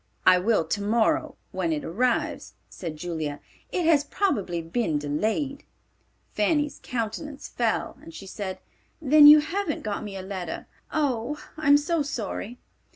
"I will tomorrow when it arrives," said Julia. "It has probably been delayed." Fanny's countenance fell and she said, "Then you haven't got me a letter? Oh, I'm so sorry!"